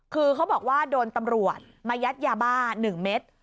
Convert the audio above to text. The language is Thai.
คือเขาบอกว่าโดนตำรวจมายัดยาบ้า๑เม็ด